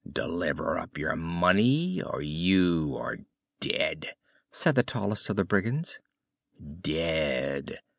"Deliver up your money or you are dead," said the tallest of the brigands. "Dead!"